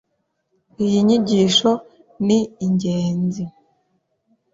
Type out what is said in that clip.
iyi nyigisho ni ingezi